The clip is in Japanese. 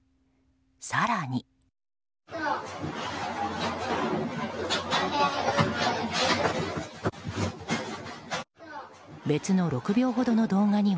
更に。